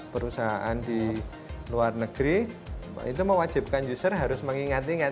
perusahaan di luar negeri itu mewajibkan user harus mengingat ingat